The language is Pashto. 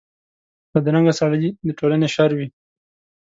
بدرنګه سړي د ټولنې شر وي